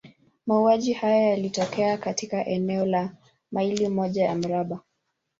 Mauaji haya yalitokea katika eneo la maili moja ya mraba.